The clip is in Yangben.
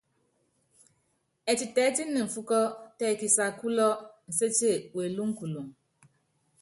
Ɛtitɛɛ́tíni mfúkɔ́ tɛ kisaakúlɔ, Nsetie welúŋukuluŋ.